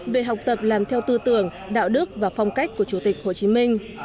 về học tập làm theo tư tưởng đạo đức và phong cách của chủ tịch hồ chí minh